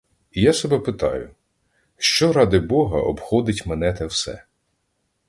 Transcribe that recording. І я себе питаю: що, ради бога, обходить мене те все?